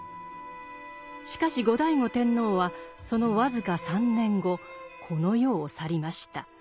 しかし後醍醐天皇はその僅か３年後この世を去りました。